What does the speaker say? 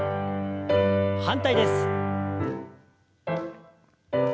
反対です。